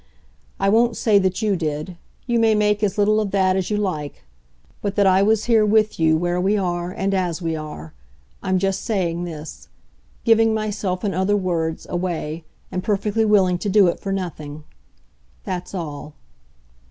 I won't say that you did you may make as little of that as you like. But that I was here with you where we are and as we are I just saying this. Giving myself, in other words, away and perfectly willing to do it for nothing. That's all."